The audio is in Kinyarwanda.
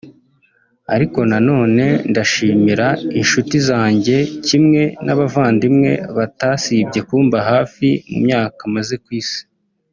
Ariko nanone ndashimira inshuti zanjye kimwe n’abavandimwe batasibye kumba hafi mu myaka maze ku Isi